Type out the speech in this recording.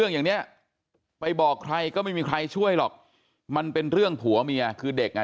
อย่างเนี้ยไปบอกใครก็ไม่มีใครช่วยหรอกมันเป็นเรื่องผัวเมียคือเด็กอ่ะ